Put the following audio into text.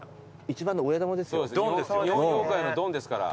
日本妖怪のドンですから。